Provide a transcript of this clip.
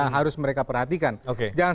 harus mereka perhatikan jangan